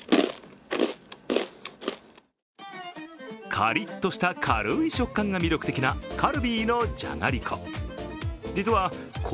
カリッとした軽い食感が魅力的なカルビーのじゃがりこ。